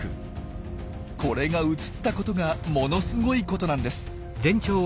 これが映ったことがものすごいことなんです。